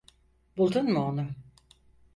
Buldun mu onu?